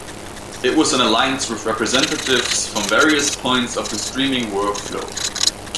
It was an alliance with representatives from various points of the streaming work-flow.